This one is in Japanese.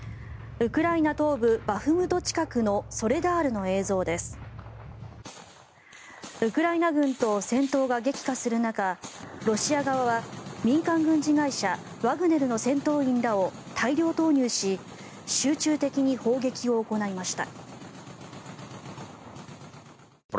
ウクライナ軍と戦闘が激化する中ロシア側は民間軍事会社ワグネルの戦闘員らを大量投入し集中的に砲撃を行いました。